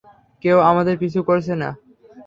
কেউ আমাদের পিছু করছে না।